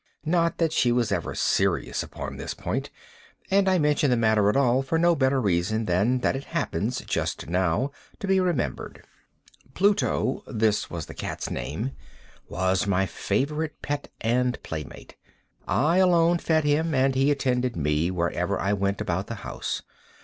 Not that she was ever serious upon this point—and I mention the matter at all for no better reason than that it happens, just now, to be remembered. Pluto—this was the cat's name—was my favorite pet and playmate. I alone fed him, and he attended me wherever I went about the house.